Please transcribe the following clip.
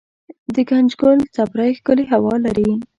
دګنجګل څپری ښکلې هوا لري